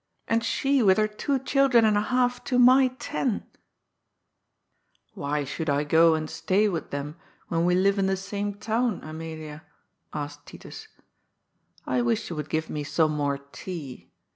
And she with her two children and a half to my ten I "" Why should I go and stay with them when we live in the same town, Amelia ?" asked Titus. " I wish you would give me some more tea.